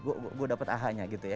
gue dapat ahanya gitu ya